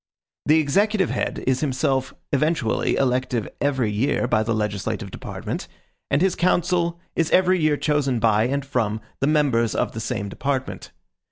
The executive head is himself eventually elective every year by the legislative department, and his council is every year chosen by and from the members of the same department.